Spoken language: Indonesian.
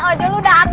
ojo lo dateng